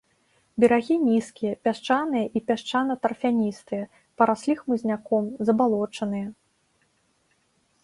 Берагі нізкія, пясчаныя і пясчана-тарфяністыя, параслі хмызняком, забалочаныя.